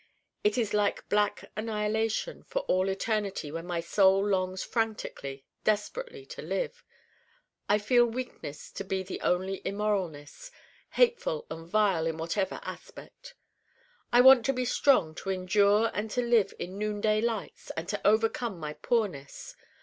It is like black annihilation for all eternity when my Soul longs frantically, desperately to live. I feel weakness to be the only immoralness hateful and vile in whatever aspect. I want to be strong to endure and to live in noonday lights and to overcome my poorness.